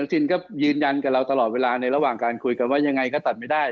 ชินก็ยืนยันกับเราตลอดเวลาในระหว่างการคุยกันว่ายังไงก็ตัดไม่ได้